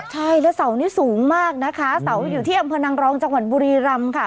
ค่ะแล้วเสานี่สูงมากนะคะเสาอยู่ที่อังพลันรองจังหวันบุรีรัมค่ะ